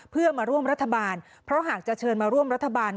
เพื่อมาร่วมรัฐบาลเพราะหากจะเชิญมาร่วมรัฐบาล